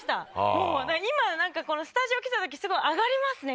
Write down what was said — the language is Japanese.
もうだから今なんかこのスタジオ来たときすごい上がりますね